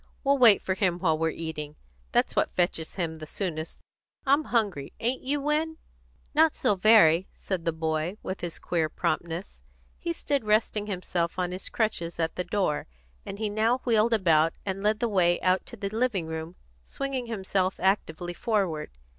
We'll wait for him while we're eating. That's what fetches him the soonest. I'm hungry. Ain't you, Win?" "Not so very," said the boy, with his queer promptness. He stood resting himself on his crutches at the door, and he now wheeled about, and led the way out to the living room, swinging himself actively forward.